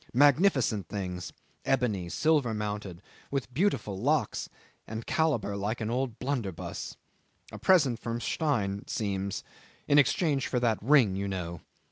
Magnificent things, ebony, silver mounted, with beautiful locks and a calibre like an old blunderbuss. A present from Stein, it seems in exchange for that ring, you know.